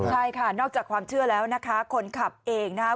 ใช่ค่ะนอกจากความเชื่อแล้วนะคะคนขับเองนะครับ